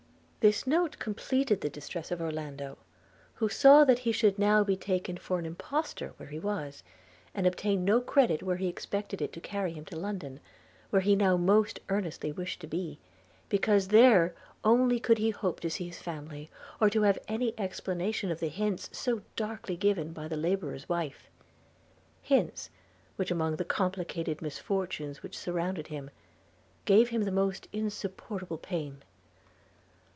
This note completed the distress of Orlando, who saw that he should now be taken for an impostor where he was, and obtain no credit where he expected it to carry him to London, where he now most earnestly wished to be, because there only could he hope to see his family, or to have any explanation of the hints so darkly given by the labourer's wife – hints, which among the complicated misfortunes which surrounded him, gave him the most insupportable pain.